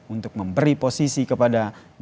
untuk memberi posisi kepada jokowi dan gibran